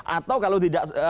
atau kalau tidak